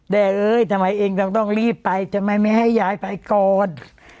แต่เอ้ยทำไมเองต้องรีบไปทำไมไม่ให้ยายไปก่อน